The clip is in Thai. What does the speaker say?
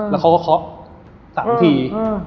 แล้วเขาก็ค็อกสามที